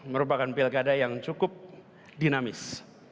merupakan pilkada yang cukup dinamis